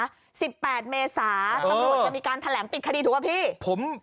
๑๘เมษาตำรวจจะมีการแถลงปิดคดีถูกหรือเปล่าพี่